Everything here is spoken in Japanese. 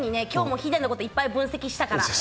きょうもヒデのこと、いっぱい分析したから。